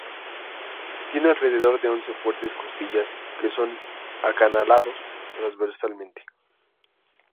Tiene alrededor de once fuertes costillas que son acanalados transversalmente.